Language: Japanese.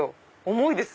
重いです。